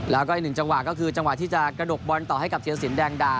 แล้วก็อีกหนึ่งจังหวะก็คือจังหวะที่จะกระดกบอลต่อให้กับเทียรสินแดงดา